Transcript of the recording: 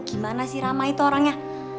gimana sih ramai itu orangnya